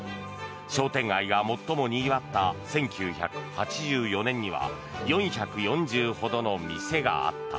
商店街が最もにぎわった１９８４年には４４０ほどの店があった。